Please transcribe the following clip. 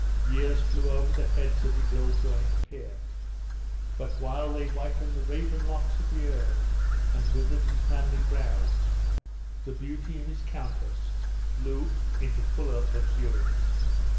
Years flew over the heads of the ill joined pair; but while they whitened the raven locks of the earl, and withered his manly brow, the beauty of his countess blew into fuller luxuriance.